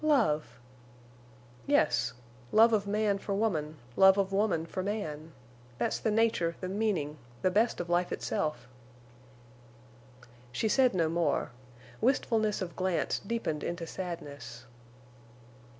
"Love!" "Yes. Love of man for woman—love of woman for man. That's the nature, the meaning, the best of life itself." She said no more. Wistfulness of glance deepened into sadness.